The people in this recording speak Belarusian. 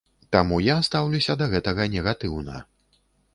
Таму я стаўлюся да гэтага негатыўна.